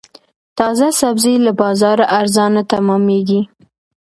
تازه سبزي له بازاره ارزانه تمامېږي.